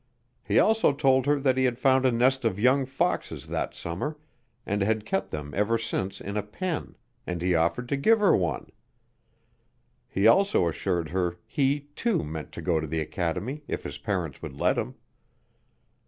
He also told her that he had found a nest of young foxes that summer and had kept them ever since in a pen, and he offered to give her one. He also assured her he, too, meant to go to the academy if his parents would let him.